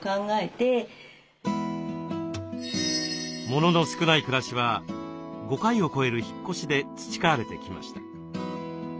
モノの少ない暮らしは５回を超える引っ越しで培われてきました。